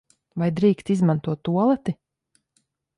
Vai drīkst izmantot tualeti?